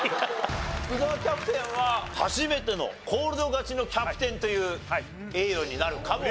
福澤キャプテンは初めてのコールド勝ちのキャプテンという栄誉になるかも。